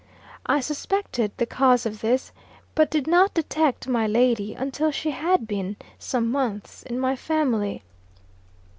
I suspected the cause of this, but did not detect my lady, until she had been some months in my family.